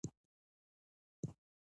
موږ نړۍ ته ښیو.